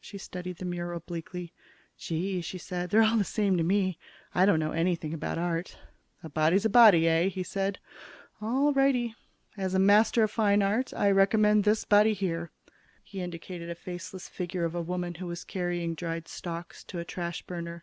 She studied the mural bleakly. "Gee," she said, "they're all the same to me. I don't know anything about art." "A body's a body, eh?" he said. "All righty. As a master of fine art, I recommend this body here." He indicated a faceless figure of a woman who was carrying dried stalks to a trash burner.